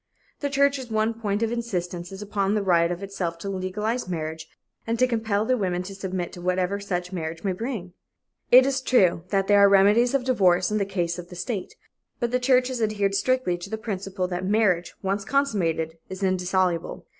The church's one point of insistence is upon the right of itself to legalize marriage and to compel the woman to submit to whatever such marriage may bring. It is true that there are remedies of divorce in the case of the state, but the church has adhered strictly to the principle that marriage, once consummated, is indissoluble.